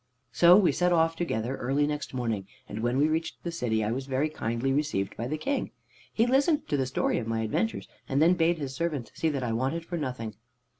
"So we set off together early next morning, and when we reached the city I was very kindly received by the King. He listened to the story of my adventures, and then bade his servants see that I wanted for nothing.